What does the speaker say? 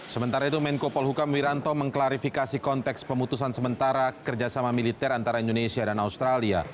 sementara itu menko polhukam wiranto mengklarifikasi konteks pemutusan sementara kerjasama militer antara indonesia dan australia